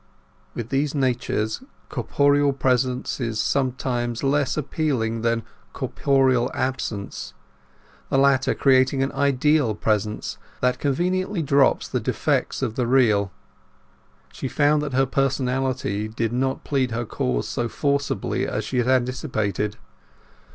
With these natures, corporal presence is something less appealing than corporal absence; the latter creating an ideal presence that conveniently drops the defects of the real. She found that her personality did not plead her cause so forcibly as she had anticipated.